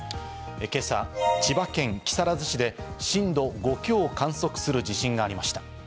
今朝、千葉県木更津市で震度５強を観測する地震がありました。